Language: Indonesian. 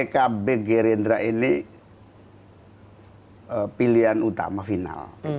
pkb gerindra ini pilihan utama final